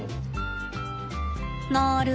なる。